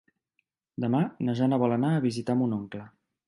Demà na Jana vol anar a visitar mon oncle.